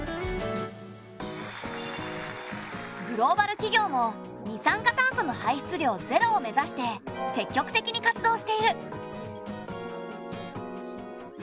グローバル企業も二酸化炭素の排出量ゼロを目指して積極的に活動している。